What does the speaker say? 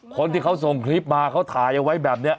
คนที่เขาส่งคลิปมาเขาถ่ายเอาไว้แบบนี้